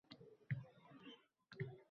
Butun olam ko’zga esa qorong’i